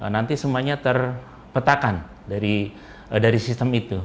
nanti semuanya terpetakan dari sistem itu